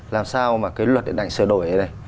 làm sao mà cái luật điện ảnh sửa đổi này